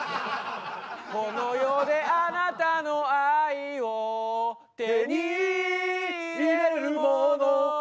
「この世であなたの愛を」「手に入れるもの」